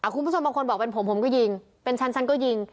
คุณผู้ชมบางคนบอกเป็นผมผมก็ยิงเป็นฉันฉันก็ยิง